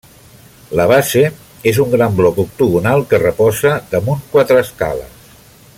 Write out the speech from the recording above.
La base és un gran bloc octogonal que reposa damunt quatre escales.